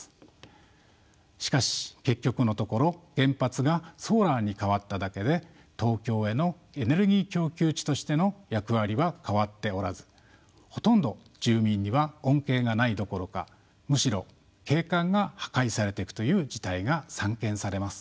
しかし結局のところ原発がソーラーに変わっただけで東京へのエネルギー供給地としての役割は変わっておらずほとんど住民には恩恵がないどころかむしろ景観が破壊されていくという事態が散見されます。